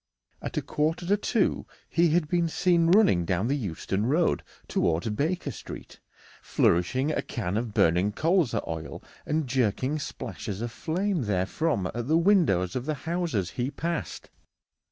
At a quarter to two he had been seen running down the Euston Road towards Baker Street, flourishing a can of burning colza oil and jerking splashes of flame therefrom at the windows of the houses he passed.